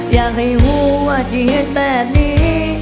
อยากให้หัวที่เห็นแบบนี้